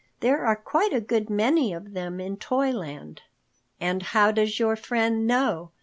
There are quite a good many of them in Toyland." "And how does your friend know?"